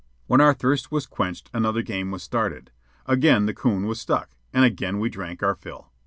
When our thirst was quenched, another game was started. Again the coon was stuck, and again we drank our fill.